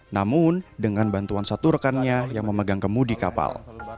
namun dengan bantuan satu rekannya yang memegang kemudi kapal